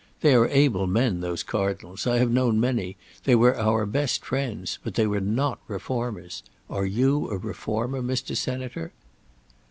They are able men, those cardinals; I have known many; they were our best friends, but they were not reformers. Are you a reformer, Mr. Senator?"